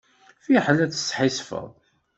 Fiḥel ad tesḥissfeḍ.